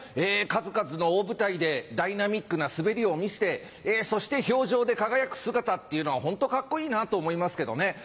数々の大舞台でダイナミックな滑りを見せてそして氷上で輝く姿っていうのはホントカッコいいなと思いますけどね。